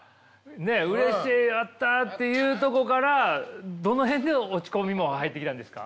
「うれしいやった」っていうとこからどの辺で落ち込みも入ってきたんですか？